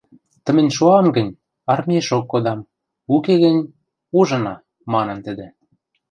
— Тымень шоам гӹнь, армиэшок кодам, уке гӹнь... ужына, — манын тӹдӹ.